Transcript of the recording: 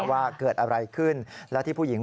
ด้วยความเคารพนะคุณผู้ชมในโลกโซเชียล